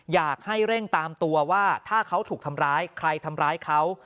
อยากให้เร่งตามตัวว่าถ้าเขาถูกทำร้ายใครทำร้ายเขา